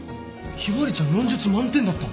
向日葵ちゃん論述満点だったの？